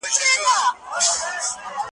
هر قدم د مرګي لومي له هر ګامه ګیله من یم ,